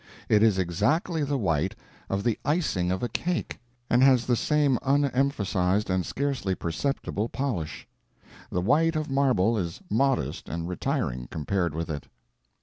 It is exactly the white of the icing of a cake, and has the same unemphasized and scarcely perceptible polish. The white of marble is modest and retiring compared with it.